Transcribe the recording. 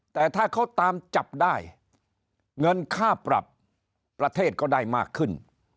แต่ถ้าเขาตามจับได้เงินค่าปรับประเทศก็ได้มากขึ้น